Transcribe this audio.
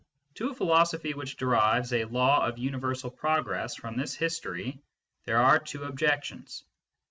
To a philosophy which derives a law of universal progress from this history there are two objec tions.